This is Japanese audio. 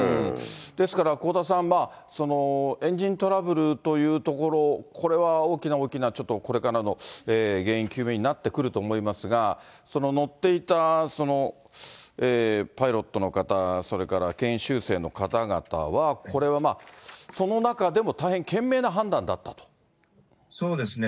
ですから、香田さん、エンジントラブルというところ、これは大きな大きな、これからの原因究明になってくると思いますが、その乗っていたパイロットの方、それから研修生の方々は、これはその中でも、そうですね。